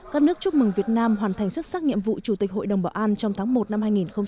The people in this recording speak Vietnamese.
các nước chúc mừng việt nam hoàn thành xuất sắc nhiệm vụ chủ tịch hội đồng bảo an trong tháng một năm hai nghìn hai mươi